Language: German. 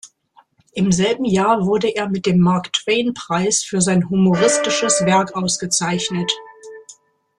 Im selben Jahr wurde er mit dem Mark-Twain-Preis für sein humoristisches Werk ausgezeichnet.